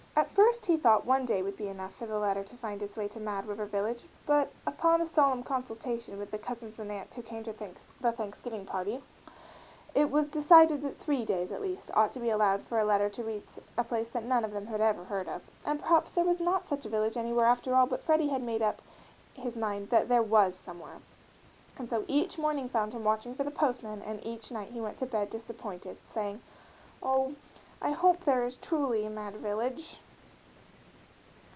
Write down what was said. At first he thought one day would be enough for the letter to find its way to Mad River Village; but upon a solemn consultation with the cousins and aunts who came to the Thanksgiving party, it was decided that three days, at least, ought to be allowed for a letter to reach a place that none of them had ever heard of, and perhaps there was not such a village anywhere after all but Freddie had made up his mind that there was somewhere, and so each morning found him watching for the postman and each night he went to bed disappointed, saying, "Oh! I hope there is a truly Mad Village."